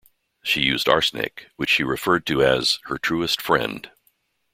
She used arsenic, which she referred to as "her truest friend".